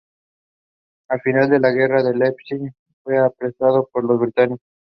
Al final de la guerra el "Leipzig" fue apresado por los británicos.